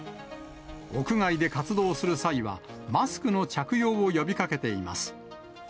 屋外で活動する際は、マスクの着用を呼びかけています。